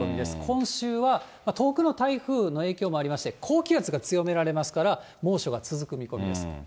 今週は遠くの台風の影響もありまして、高気圧が強められますから、猛暑が続く見込みです。